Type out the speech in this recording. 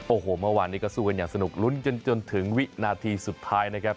โอ้โหเมื่อวานนี้ก็สู้กันอย่างสนุกลุ้นจนถึงวินาทีสุดท้ายนะครับ